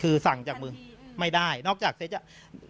คุณผู้ชมฟังช่างปอลเล่าคุณผู้ชมฟังช่างปอลเล่าคุณผู้ชมฟังช่างปอลเล่า